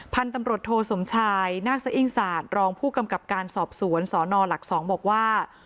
พันธุ์ตำรวจโทสมชายนาคสะอิ้งศาสตร์รองผู้กำกับการสอบสวนสนหลัก๒บอกว่า